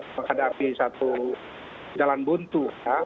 menghadapi satu jalan buntu